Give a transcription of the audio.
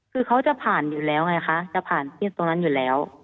คือเขาจะผ่านอยู่แล้วไงคะจะผ่านที่ตรงนั้นอยู่แล้ว